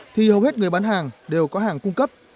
thì hầu hết người bán hàng đều có hàng cung cấp